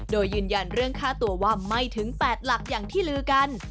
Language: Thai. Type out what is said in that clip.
โดยยืนยันเรื่องค่าตัวว่าไม่ถึง๘หลักอย่างที่ลือกัน